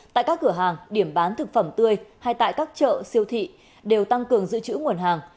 tại các cửa hàng điểm bán thực phẩm tươi hay tại các chợ siêu thị đều tăng cường dự trữ nguồn hàng